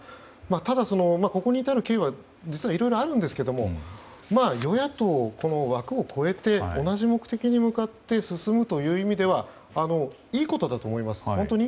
ただ、ここに至る経緯は実は、いろいろあるんですけども与野党、枠を超えて同じ目的に向かって進むという意味ではいいことだと思います。